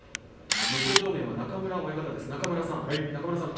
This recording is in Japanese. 向正面中村親方です中村さん